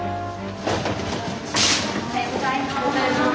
おはようございます。